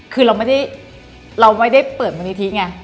คือเราไม่ได้เปิดมนิธิไง